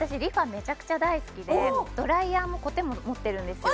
めちゃくちゃ大好きでドライヤーもコテも持ってるんですよ